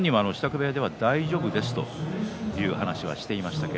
支度部屋では本人が大丈夫ですという話はしていました。